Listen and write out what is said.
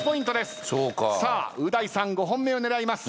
う大さん５本目を狙います。